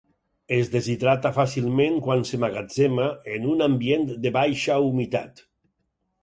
Es deshidrata fàcilment quan s'emmagatzema en un ambient de baixa humitat.